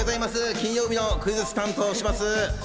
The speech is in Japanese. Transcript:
金曜日のクイズッスを担当します。